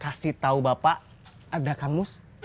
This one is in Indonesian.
kasih tahu bapak ada kamus